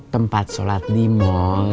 tempat sholat di mall